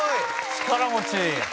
力持ち。